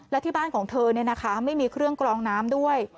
และที่บ้านของเธอเนี่ยนะคะไม่มีเครื่องกลองน้ำด้วย